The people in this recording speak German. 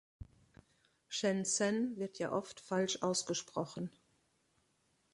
Shenzhen wird ja oft falsch ausgesprochen.